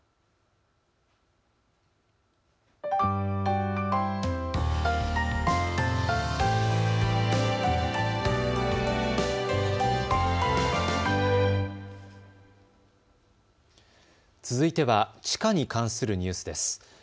続いては地価に関するニュースです。